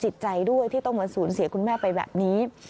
ที่ต้องมาสูญเสียคุณแม่ไปแบบนี้